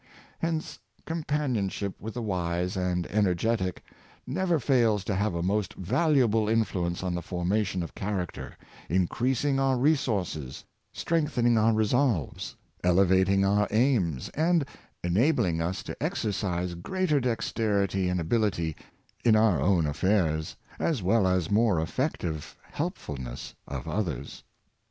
Hence companionship with the wise and energetic never fails to have a most valuable influence on the formation of character, increasing our resources, strengthening our resolves, elevating our aims, and enabling us to ex ercise greater dexterity and ability in our own affairs, as well as more effective helpfulness of others.